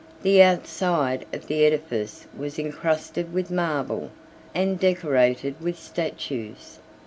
92 The outside of the edifice was encrusted with marble, and decorated with statues.